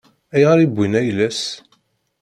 Ayɣer i wwin ayla-s?